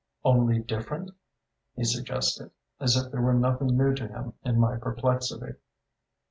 Only different?" he suggested, as if there were nothing new to him in my perplexity.